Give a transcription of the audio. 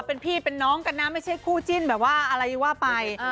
เป็นพี่เป็นน้องกันนะไม่ใช่คู่จิ้นแบบว่าอะไรว่าไป